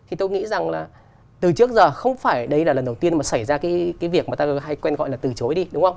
thì tôi nghĩ rằng là từ trước giờ không phải đây là lần đầu tiên mà xảy ra cái việc mà ta hay quen gọi là từ chối đi đúng không